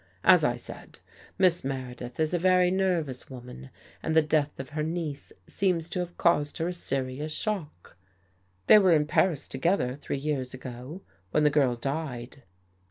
As I said. Miss Meredith is a very nervous woman and the death of her niece seems to have caused her a serious shock. They were in Paris together three years ago, when the girl died."